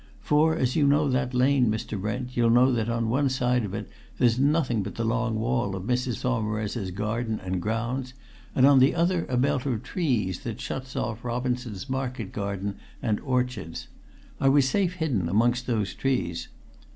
For as you know that lane, Mr. Brent, you'll know that on one side of it there's nothing but the long wall of Mrs. Saumarez's garden and grounds, and on the other a belt of trees that shuts off Robinson's market garden and orchards. I was safe hidden amongst those trees.